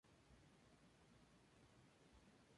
Pero enfermó gravemente.